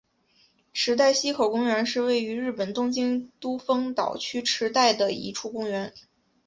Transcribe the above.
池袋西口公园是位于日本东京都丰岛区池袋的一处公园。